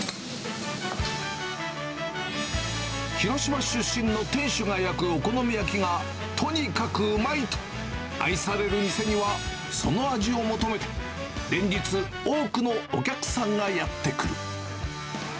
広島出身の店主が焼くお好み焼きがとにかくうまいと、愛される店にはその味を求めて、連日、多くのお客さんがやって来る。